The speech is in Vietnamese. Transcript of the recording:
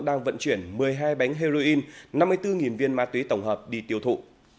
đang vận chuyển một mươi hai bánh heroin năm mươi bốn viên ma túy tổng hợp đi tiêu thụ